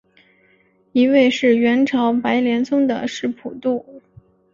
一位是元朝白莲宗的释普度。